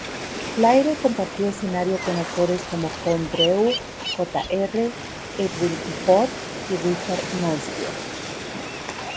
Claire compartió escenario con actores como John Drew Jr., Edwin Booth y Richard Mansfield.